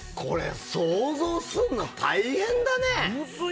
想像するの大変だね！